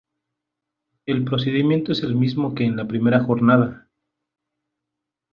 El procedimiento es el mismo que en la primera jornada.